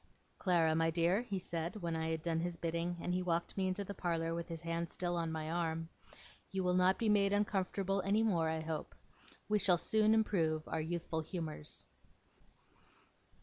'Clara, my dear,' he said, when I had done his bidding, and he walked me into the parlour, with his hand still on my arm; 'you will not be made uncomfortable any more, I hope. We shall soon improve our youthful humours.